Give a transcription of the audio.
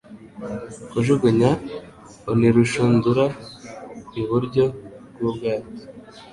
kujugunya unlshundura iburyo bw'ubwato: